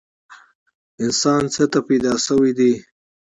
انسان څه ته پیدا شوی دی؟